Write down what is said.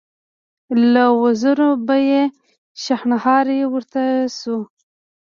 له وزرو به يې شڼهاری پورته شو.